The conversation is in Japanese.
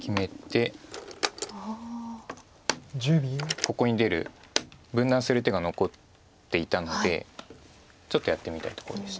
ここに出る分断する手が残っていたのでちょっとやってみたいところでした。